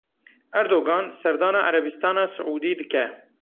Erdogan Serdana Erebistana Siûdî dike.